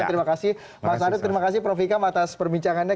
terima kasih mas arief terima kasih prof ikam atas perbincangannya